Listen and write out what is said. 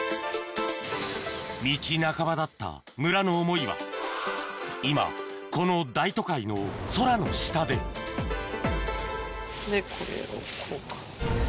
道半ばだった村の思いは今この大都会の空の下でこれをこうか。